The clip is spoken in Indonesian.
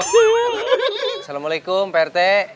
assalamualaikum pak reket